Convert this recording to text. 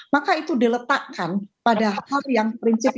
maka itu diletakkan pada hal yang prinsip